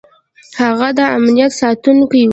هغه د امنیت ساتونکی و.